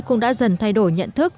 cũng đã dần thay đổi nhận thức